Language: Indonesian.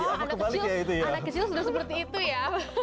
anak kecil sudah seperti itu ya